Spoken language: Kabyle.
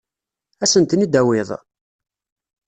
Ad asen-ten-id-tawiḍ?